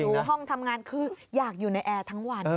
อยู่ห้องทำงานคืออยากอยู่ในแอร์ทั้งวัน